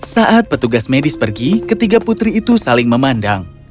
saat petugas medis pergi ketiga putri itu saling memandang